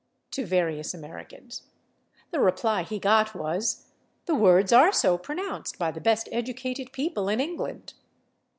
to various Americans. The reply he got was: "The words are so pronounced by the best educated people in England."